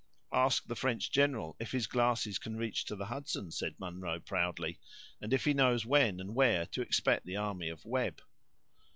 "Ask the French general if his glasses can reach to the Hudson," said Munro, proudly; "and if he knows when and where to expect the army of Webb."